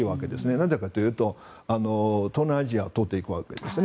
なぜかというと、東南アジアを通っていくわけですね。